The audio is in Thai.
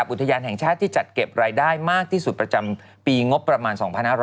อุทยานแห่งชาติที่จัดเก็บรายได้มากที่สุดประจำปีงบประมาณ๒๕๖๐